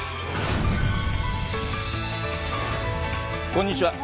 こんにちは。